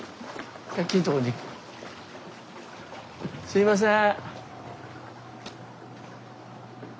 すいません。